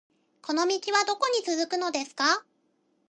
この道はどこに続くのですか